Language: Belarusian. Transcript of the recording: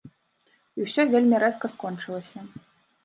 І ўсё вельмі рэзка скончылася.